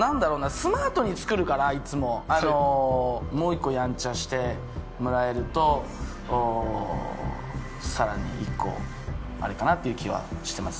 スマートに作るからいつももう１個やんちゃしてもらえるとさらに１個あれかなっていう気はしてます